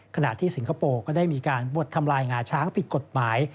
ขณะที่สิงคโปร์ก็ได้มีการบดทำลายงาช้างผิดกฎหมาย